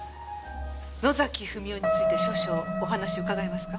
野崎文夫について少々お話伺えますか？